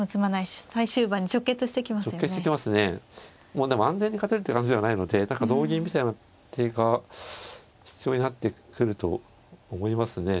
もうでも安全に勝てるって感じではないので同銀みたいな手が必要になってくると思いますね